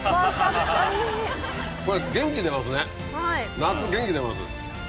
これ元気出ますね。